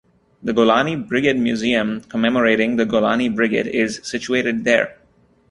The Golani Brigade Museum commemorating the Golani Brigade is situated there.